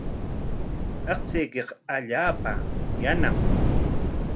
Aqchaykiqa allaapa yanam.